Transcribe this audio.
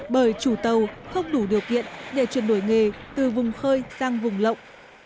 bởi chủ tàu không đủ điều kiện để chuyển đổi nghề từ vùng khơi sang vùng lộng